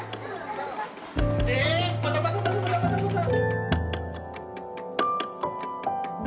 「えパタパタパタパタパタパタ」。